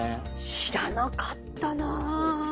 知らなかったな。